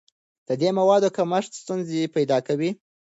د دې موادو کمښت ستونزې پیدا کوي.